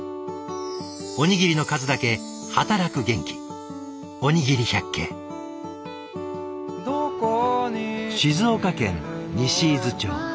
おにぎりの数だけ働く元気静岡県西伊豆町。